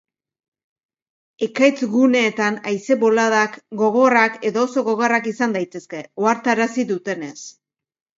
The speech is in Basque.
Ekaitz-guneetan haize-boladak gogorrak edo oso gogorrak izan daitezke, ohartarazi dutenez.